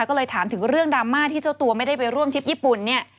แล้วก็เลยถามถึงเรื่องดราม่าที่เจ้าตัวไม่ได้ไปร่วมทิพย์ญี่ปุ่น